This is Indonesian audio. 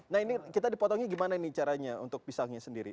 nah ini kita dipotongnya gimana nih caranya untuk pisangnya sendiri